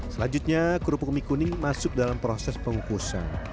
selanjutnya kerupuk mie kuning masuk dalam proses pengukusan